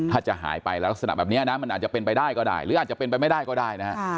ถ้าจะหายไปลักษณะแบบนี้นะมันอาจจะเป็นไปได้ก็ได้หรืออาจจะเป็นไปไม่ได้ก็ได้นะฮะ